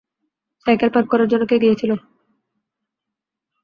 Cycle park করার জন্য কে গিয়েছিল?